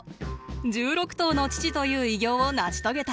１６頭の父という偉業を成し遂げた！